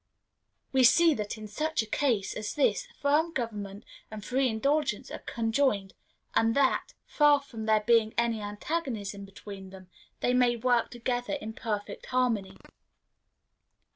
We see that in such a case as this firm government and free indulgence are conjoined; and that, far from there being any antagonism between them, they may work together in perfect harmony.